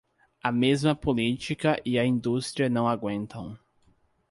A mesma política e a indústria não aguentam.